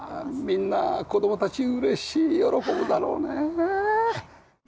みんな子供たち嬉しい喜ぶだろうね！